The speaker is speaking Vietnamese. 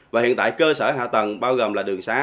và hiện tại cơ sở hạ tầng bao gồm là đường xá